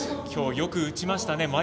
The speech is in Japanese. きょうよく打ちましたね。